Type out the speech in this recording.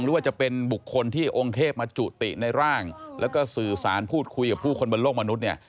หรือว่าจะเป็นบุคคลที่องค์เทพมาจุติในร่างแล้วก็สื่อสารพูดคุยกับผู้คนบนโลกมนุษย์เนี่ย